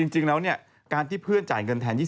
จริงแล้วการที่เพื่อนจ่ายเงินแทน๒๐